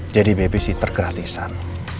jadi babysitter gratisan